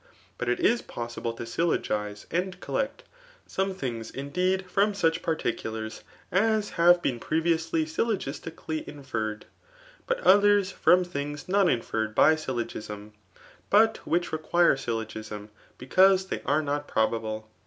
] Bat it is po^ble to syUogize and cdlect, sogsU tittngs, indeed^ from, such particulars as have bem pre«* YiowLy syjlogisdcally inferred, but others froA thiogs not inferred by syHogism, but which reqttire (Syllogism, beoluae they an^ jjio^ probablq.